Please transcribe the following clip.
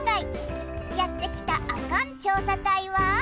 やって来た「アカン調査隊」は？